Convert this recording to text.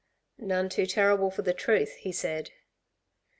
"None too terrible for the truth," he said.